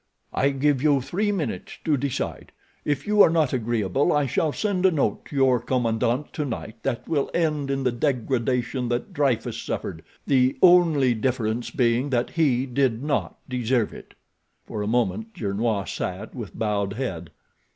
I give you three minutes to decide. If you are not agreeable I shall send a note to your commandant tonight that will end in the degradation that Dreyfus suffered—the only difference being that he did not deserve it." For a moment Gernois sat with bowed head.